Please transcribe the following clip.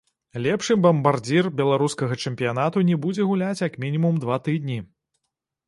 Лепшы бамбардзір беларускага чэмпіянату не будзе гуляць, як мінімум, два тыдні.